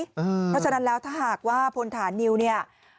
เพราะฉะนั้นแล้วถ้าหากว่าพลฐานนิวเนี่ย